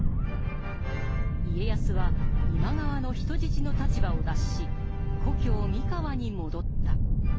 家康は今川の人質の立場を脱し故郷三河に戻った。